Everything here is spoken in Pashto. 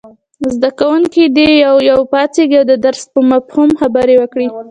زده کوونکي دې یو یو پاڅېږي او د درس په مفهوم خبرې وکړي.